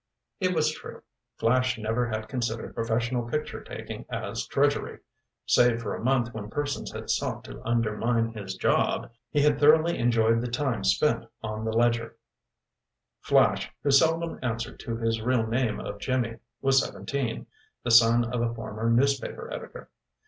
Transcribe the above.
It was true. Flash never had considered professional picture taking as drudgery. Save for a month when persons had sought to undermine his job, he had thoroughly enjoyed the time spent on the Ledger. Flash, who seldom answered to his real name of Jimmy, was seventeen, the son of a former newspaper editor.